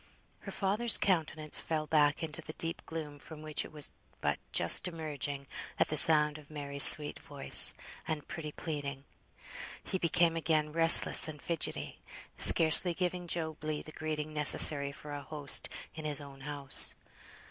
Her father's countenance fell back into the deep gloom from which it was but just emerging at the sound of Mary's sweet voice, and pretty pleading. He became again restless and fidgetty, scarcely giving Job Legh the greeting necessary for a host in his own house.